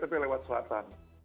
tapi lewat selatan